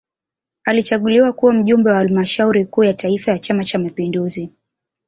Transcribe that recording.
Alichaguliwa kuwa Mjumbe wa Halmashauri Kuu ya Taifa ya Chama cha Mapinduzi